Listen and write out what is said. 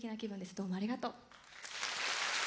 どうもありがとう。